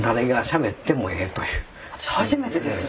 初めてです。